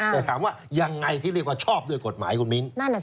แต่ถามว่ายังไงที่เรียกว่าชอบด้วยกฎหมายคุณมิ้น